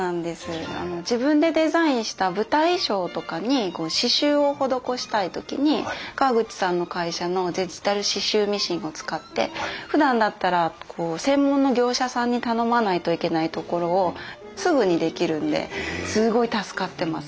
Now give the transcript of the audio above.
自分でデザインした舞台衣装とかに刺繍を施したい時に河口さんの会社のデジタル刺繍ミシンを使ってふだんだったら専門の業者さんに頼まないといけないところをすぐにできるんですごい助かってます。